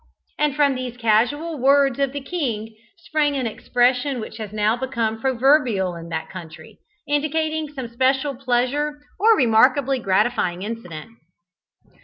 and from these casual words of the king sprang an expression which has now become proverbial in that country, indicating some special pleasure or remarkably gratifying incident.